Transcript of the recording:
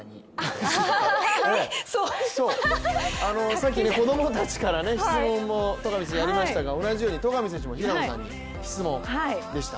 さっき子供たちから質問を、戸上選手、やりましたが同じように戸上選手も平野さんに質問でした。